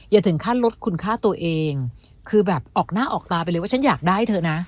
อย่าถึงขั้นลดคุณค่าตัวเองคือแบบออกหน้าออกตาไปเลยว่าฉันอยากได้เธอนะ